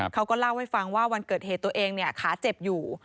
เขาก็เล่าให้ฟังว่าวันเกิดเหตุตัวเองขาเจ็บอยู่